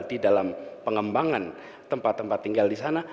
di dalam pengembangan tempat tempat tinggal di sana